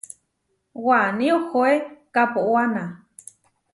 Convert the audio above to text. Waní ohoé kaʼpowána.